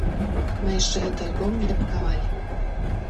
Мы яшчэ гэты альбом недапакавалі.